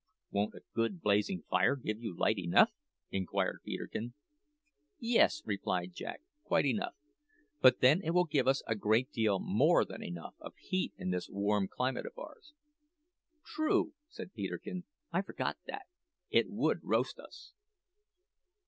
"Won't a good blazing fire give you light enough?" inquired Peterkin. "Yes," replied Jack, "quite enough; but then it will give us a great deal more than enough of heat in this warm climate of ours." "True," said Peterkin; "I forgot that. It would roast us."